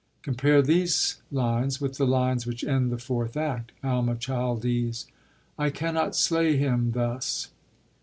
Compare these lines with the lines which end the fourth act: ALMACHILDES. I cannot slay him Thus.